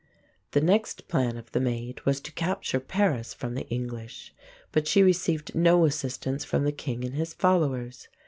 The next plan of the Maid was to capture Paris from the English. But she received no assistance from the king and his followers.